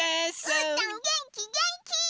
うーたんげんきげんき！